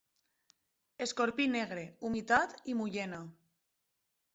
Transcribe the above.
Escorpí negre, humitat i mullena.